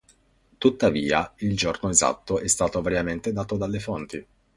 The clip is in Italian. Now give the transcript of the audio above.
Tuttavia, il giorno esatto è stato variamente dato dalle fonti.